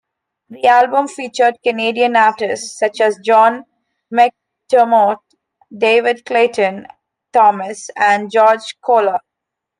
The album featured Canadian artists such as John McDermott, David Clayton-Thomas and George Koller.